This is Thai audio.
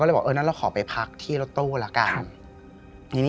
เลยบอกเอองั้นเราขอไปพักที่รถตู้ละกัน